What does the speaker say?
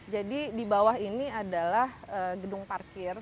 jadi di bawah ini adalah gedung parkir